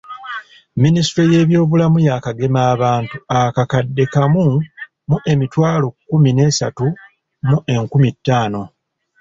Minisitule y'ebyobulamu yaakagema abantu akakadde kamu mu emitwalo kkumi n'esatu mu enkumi ttaano.